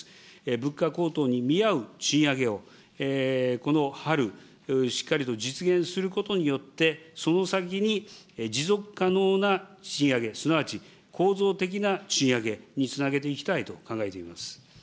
物価高騰に見合う賃上げを、この春、しっかりと実現することによって、その先に持続可能な賃上げ、すなわち構造的な賃上げにつなげていきたいと考えています。